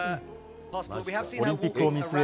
オリンピックを見据え